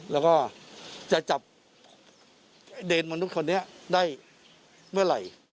แล้วก็จะจับเดรมนุษย์คนนี้ได้เมื่อไหร่